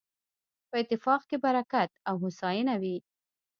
په اتفاق کې برکت او هوساينه وي